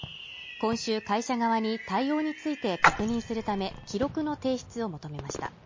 今週、会社側に対応について確認するため、記録の提出を求めました。